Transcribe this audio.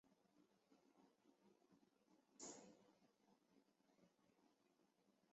随后其被转移至南安普敦并渡过英吉利海峡抵达法国瑟堡。